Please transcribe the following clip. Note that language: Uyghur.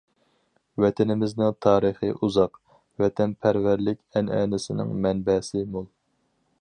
ۋەتىنىمىزنىڭ تارىخى ئۇزاق، ۋەتەنپەرۋەرلىك ئەنئەنىسىنىڭ مەنبەسى مول.